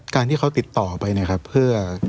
การที่เขาติดต่อไปนะครับเพื่อ